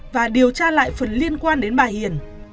và điều tra lại phần liên quan đến bà hiền